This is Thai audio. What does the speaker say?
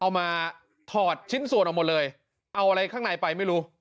มาถอดชิ้นส่วนออกหมดเลยเอาอะไรข้างในไปไม่รู้